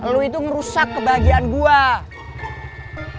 lu itu ngerusak kebahagiaan gue